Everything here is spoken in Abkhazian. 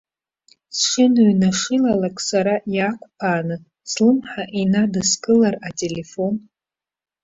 Сшыныҩнашылалак сара иаақәԥааны, слымҳа инадыскылар ателефон?